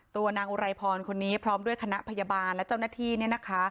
ตัวนางอุไรพรคนนี้พร้อมด้วยคณะพยาบาลและเจ้าหน้าที่เนี่ยนะคะ